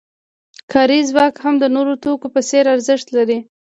کاري ځواک هم د نورو توکو په څېر ارزښت لري